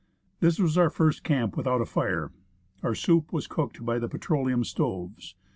This was our first camp without a fire. Our soup was cooked by the petroleum stoves.